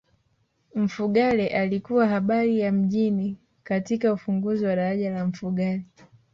mfugale alikuwa habari ya mjini katika ufunguzi wa daraja la mfugale